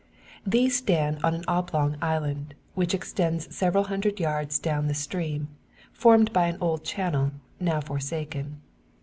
These stand on an oblong island, which extends several hundred yards down the stream, formed by an old channel, now forsaken.